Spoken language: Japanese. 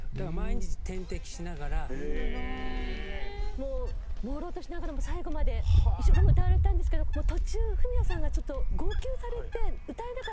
もう朦朧としながらも最後まで一生懸命歌われたんですけど途中フミヤさんが号泣されて歌えなかったんですよ。